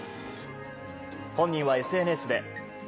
本人はＳＮＳで。